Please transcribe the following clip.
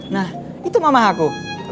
nah itu mama aku